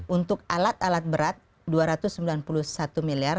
untuk alat alat berat rp dua ratus sembilan puluh satu miliar